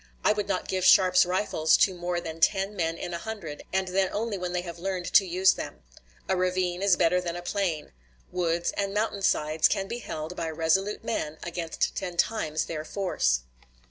I would not give Sharps rifles to more than ten men in a hundred, and then only when they have learned to use them. A ravine is better than a plain. Woods and mountain sides can be held by resolute men against ten times their force.